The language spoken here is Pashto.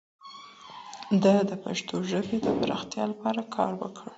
ده د پښتو ژبې د پراختیا لپاره کار وکړ